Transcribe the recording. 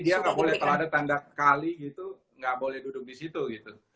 jadi dia nggak boleh kalau ada tanda kali gitu nggak boleh duduk di situ gitu